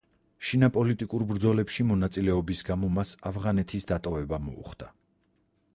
შინაპოლიტიკურ ბრძოლებში მონაწილეობის გამო, მას ავღანეთის დატოვება მოუხდა.